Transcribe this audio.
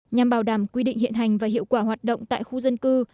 nhằm bảo đảm quy định hiện hành và hiệu quả hoạt động tại khu dân cư